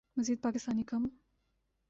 مزید پاکستانی کم